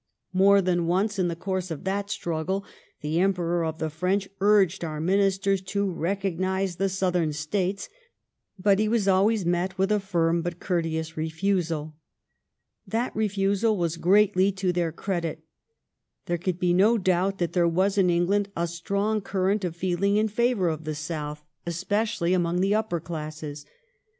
More than once in the course of that struggle, the Emperor of the French urged our Ministers to recognise the Southern States, but he was always met with a firm but courteous refusal. That refusal was greatly to their credit. There could be no doubt that there was in England a strong cur* rent of feeling in favour of the South, especially among the upper classes.